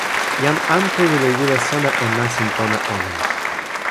jan Ankewi li wile sona e nasin pona olin.